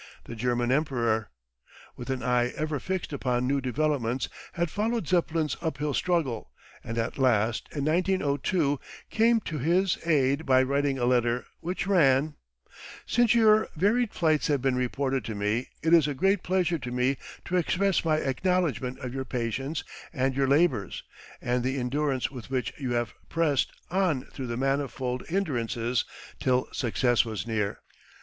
The German Emperor, with an eye ever fixed upon new developments, had followed Zeppelin's uphill struggle, and at last, in 1902, came to his aid by writing a letter which ran: "Since your varied flights have been reported to me it is a great pleasure to me to express my acknowledgment of your patience and your labours, and the endurance with which you have pressed on through manifold hindrances till success was near.